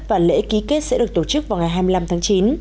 và lễ ký kết sẽ được tổ chức vào ngày hai mươi năm tháng chín